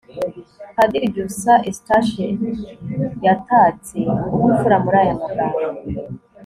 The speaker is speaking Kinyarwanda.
padiri byusa eustache yatatse ubupfura muri aya magambo